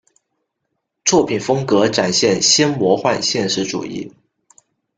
作品风格展现新魔幻现实主义。